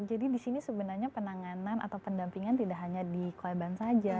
jadi di sini sebenarnya penanganan atau pendampingan tidak hanya di korban saja